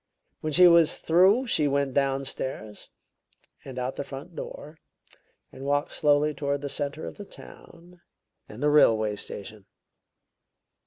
When she was through she went downstairs, and out of the front door, and walked slowly toward the center of the town and the railway station."